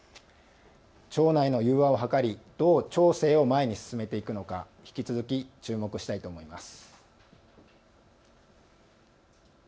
町内の融和を図りどう町政を前に進めていくのか引き続き注目したいと思います。